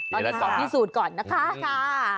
ตอนนี้ขอพิสูจน์ก่อนนะคะ